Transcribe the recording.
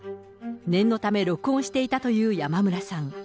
念のため、録音していたという山村さん。